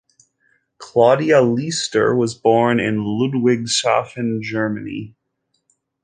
Claudia Leister was born in Ludwigshafen, Germany.